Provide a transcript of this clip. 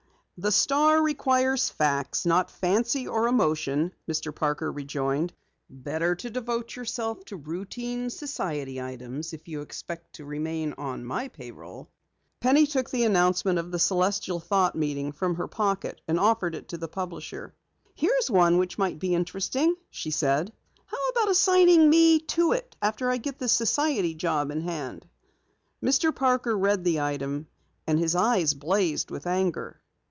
"The Star requires facts, not fancy or emotion," Mr. Parker rejoined. "Better devote your talents to routine society items if you expect to remain on my payroll." Penny took the announcement of the Celestial Thought meeting from her pocket and offered it to the publisher. "Here's one which might be interesting," she said. "How about assigning me to it after I get this society job in hand?" Mr. Parker read the item and his eyes blazed with anger.